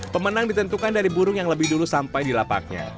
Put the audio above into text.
pemenang ditentukan dari burung yang lebih dulu sampai di lapaknya